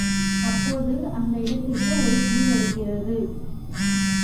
அப்போது அந்த இடத்திற்கு ஒரு புலி வருகிறது.